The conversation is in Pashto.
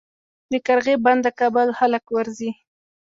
د قرغې بند د کابل خلک ورځي